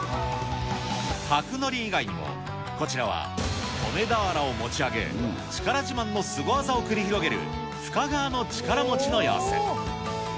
角乗以外にも、こちらは米俵を持ち上げ、力自慢のスゴ技を繰り広げる深川の力持の様子。